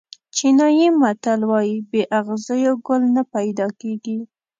چینایي متل وایي بې اغزیو ګل نه پیدا کېږي.